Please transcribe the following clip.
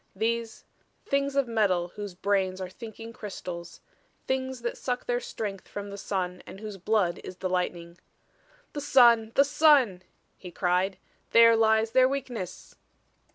These Things of metal whose brains are thinking crystals Things that suck their strength from the sun and whose blood is the lightning. "The sun! The sun!" he cried. "There lies their weakness!"